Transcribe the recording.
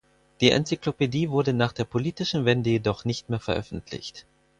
Die Enzyklopädie wurde nach der politischen Wende jedoch nicht mehr veröffentlicht.